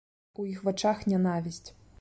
У іх вачах нянавісць.